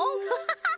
ハハハ！